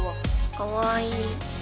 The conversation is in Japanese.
かわいい。